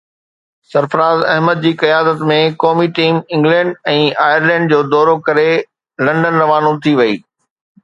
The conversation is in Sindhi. سرفراز احمد جي قيادت ۾ قومي ٽيم انگلينڊ ۽ آئرلينڊ جو دورو ڪري لنڊن روانو ٿي وئي